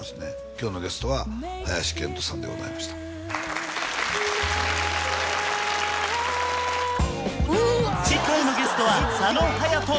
今日のゲストは林遣都さんでございました次回のゲストは佐野勇斗